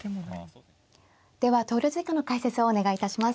では投了図以下の解説をお願いいたします。